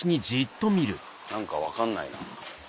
何か分かんないな。